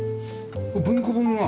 文庫本が？